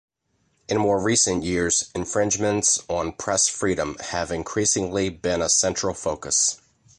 In more recent years, infringements on press freedom have increasingly been a central focus.